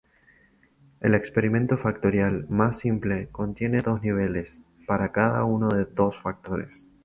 El experimento factorial más simple contiene dos niveles para cada uno de dos factores.